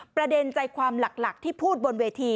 ประเด็นใจความหลักที่พูดบนเวที